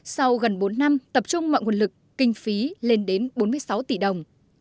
sau gần bốn năm tập trung mọi nguồn lực kinh phí lên đến bốn mươi sáu tỷ đồng